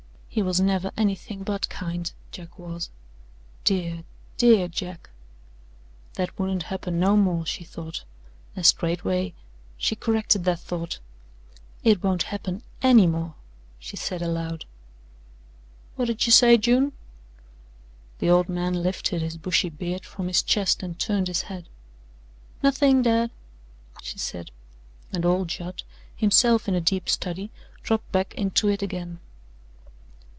He was never anything but kind Jack was dear, dear Jack! That wouldn't happen NO more, she thought, and straightway she corrected that thought. "It won't happen ANY more," she said aloud. "Whut'd you say, June?" The old man lifted his bushy beard from his chest and turned his head. "Nothin', dad," she said, and old Judd, himself in a deep study, dropped back into it again.